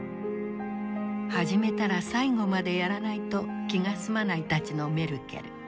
始めたら最後までやらないと気が済まないたちのメルケル。